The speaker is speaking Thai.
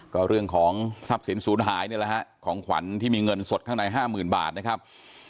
ก็เรื่องของทรัพย์สินศูนย์หายนี่แหละฮะของขวัญที่มีเงินสดข้างใน๕๐๐๐บาทนะครับ